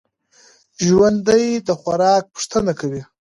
ژوندي د خوراک پوښتنه کوي